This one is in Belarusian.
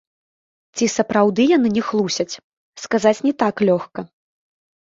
Ці сапраўды яны не хлусяць, сказаць не так лёгка.